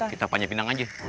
kita panjang pinang aja